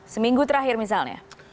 seminggu terakhir misalnya